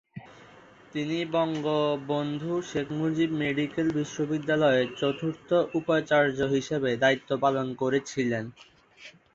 তিনি বঙ্গবন্ধু শেখ মুজিব মেডিকেল বিশ্ববিদ্যালয়ের চতুর্থ উপাচার্য হিসাবে দায়িত্ব পালন করেছিলেন।